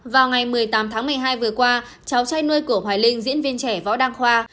vào ngày một mươi tám tháng một mươi hai vừa qua cháu trai nuôi của hoài linh diễn viên trẻ võ đăng khoa